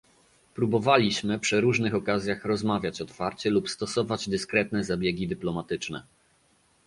Próbowaliśmy przy różnych okazjach rozmawiać otwarcie lub stosować dyskretne zabiegi dyplomatyczne